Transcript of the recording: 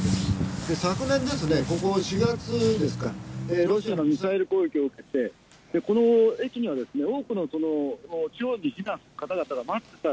昨年ですね、４月ですか、ロシアのミサイル攻撃を受けて、この駅には、多くの地方への避難を待っていた。